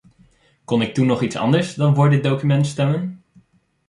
Kon ik toen nog iets anders dan voor dit document stemmen?